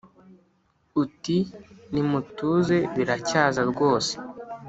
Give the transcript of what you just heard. uti: “nimutuze biracyaza rwose